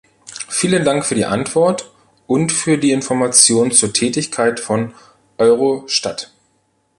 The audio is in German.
Vielen Dank für die Antwort und für die Informationen zur Tätigkeit von Eurostat.